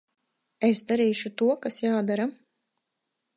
Es darīšu to, kas jādara.